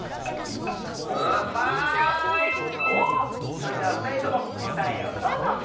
それではふたりともこたえをどうぞ！